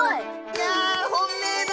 いや本命だ！